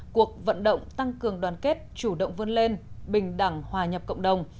cuộc vận động tăng cường đoàn kết chủ động vươn lên bình đẳng hòa nhập cộng đồng